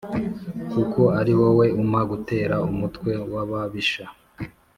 Kuko ari wowe umpa gutera umutwe w ababisha